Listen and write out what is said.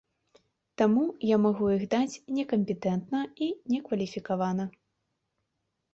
Таму я магу іх даць некампетэнтна і некваліфікавана.